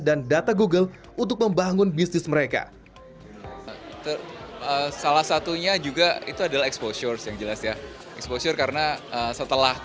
dan data google untuk membangun bisnis mereka